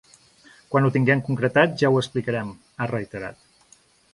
Quan ho tinguem concretat ja ho explicarem, ha reiterat.